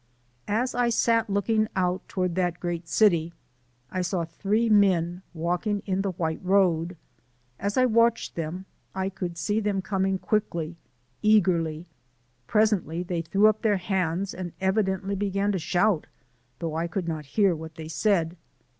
As I sat looking out toward that great city, I saw three men walking in the white road. As I watched them, I could see them coming quickly, eagerly. Presently they threw up their hands and evidently began to shout, though I could not hear what they said.